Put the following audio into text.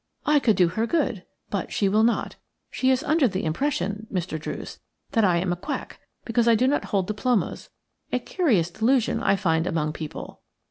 "I could do her good. But she will not. She is under the impression, Mr. Druce, that I am a quack because I do not hold diplomas – a curious delusion I find among people."